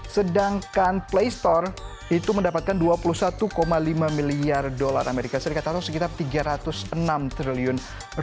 sedangkan play store itu mendapatkan rp dua puluh satu lima miliar dolar as atau sekitar rp tiga ratus enam triliun